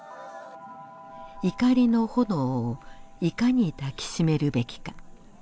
「怒りの炎」をいかに抱きしめるべきか。